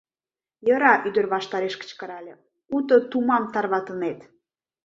— Йӧра, — ӱдыр ваштареш кычкырале, — уто тумам тарватынет!